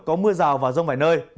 có mưa rào và rông vài nơi